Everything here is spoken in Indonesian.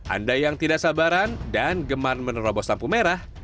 anda yang tidak sabaran dan gemar menerobos lampu merah